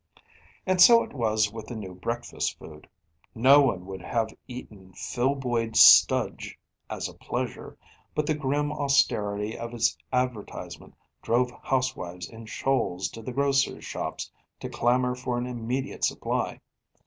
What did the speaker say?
And so it was with the new breakfast food. No one would have eaten Filboid Studge as a pleasure, but the grim austerity of its advertisement drove housewives in shoals to the grocers' shops to clamour for an immediate supply.